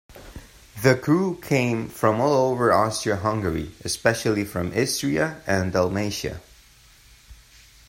The crew came from all over Austria-Hungary, especially from Istria and Dalmatia.